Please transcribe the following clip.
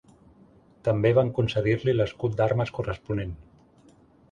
També van concedir-li l'escut d'armes corresponent.